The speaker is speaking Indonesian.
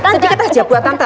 sedikit aja buat tante